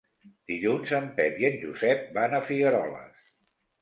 Dilluns en Pep i en Josep van a Figueroles.